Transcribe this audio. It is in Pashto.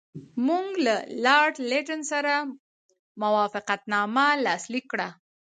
موږ له لارډ لیټن سره موافقتنامه لاسلیک کړه.